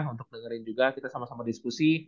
untuk dengerin juga kita sama sama diskusi